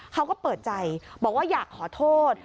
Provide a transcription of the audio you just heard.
เขาก็เปิดใจบอกว่าอยากขอโทษ